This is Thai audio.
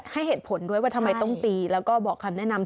ให้เหตุผลด้วยว่าทำไมต้องตีแล้วก็บอกคำแนะนำ